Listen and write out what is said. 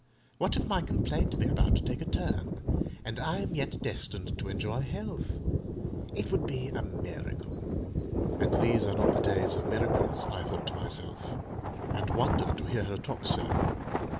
What if my complaint be about to take a turn, and I am yet destined to enjoy health? It would be a miracle!" "And these are not the days of miracles," I thought to myself, and wondered to hear her talk so.